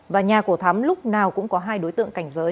và nhà của thắm lúc nào cũng có hai đối tượng cảnh giới